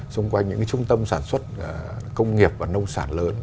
xung quanh những trung tâm sản xuất công nghiệp và nông sản lớn